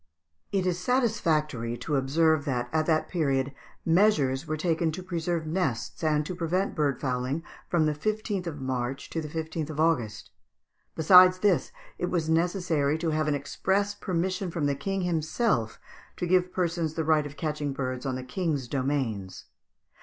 ] It is satisfactory to observe that at that period measures were taken to preserve nests and to prevent bird fowling from the 15th of March to the 15th of August. Besides this, it was necessary to have an express permission from the King himself to give persons the right of catching birds on the King's domains.